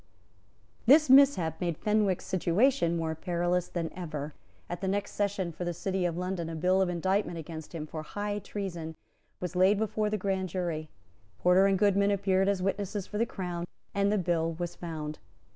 This mishap made Fenwick's situation more perilous than ever. At the next sessions for the City of London a bill of indictment against him, for high treason, was laid before the grand jury. Porter and Goodman appeared as witnesses for the Crown; and the bill was found.